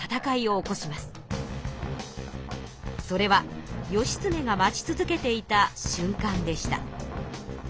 それは義経が待ち続けていたしゅんかんでした。